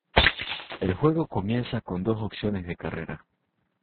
El juego comienza con dos opciones de carrera.